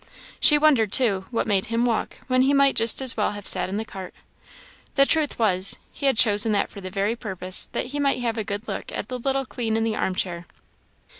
She wondered, too, what made him walk, when he might just as well have sat in the cart; the truth was, he had chosen that for the very purpose that he might have a good look at the little queen in the arm chair.